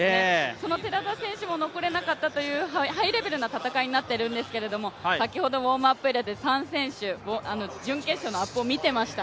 その寺田選手も残れなかったというハイレベルな戦いになっているんですけれども、先ほどウォームアップエリアで３選手、準決勝の準備を見ていました。